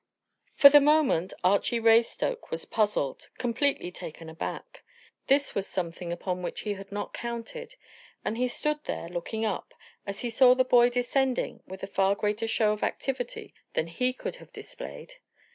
For the moment Archy Raystoke was puzzled completely taken aback. This was something upon which he had not counted; and he stood there looking up, as he saw the boy descending with a far greater show of activity than he could have displayed.